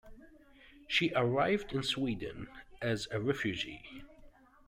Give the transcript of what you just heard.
She arrived in Sweden as a refugee.